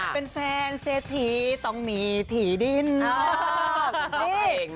เป็นแฟนเศษถีต้องมีถ่ีดินออก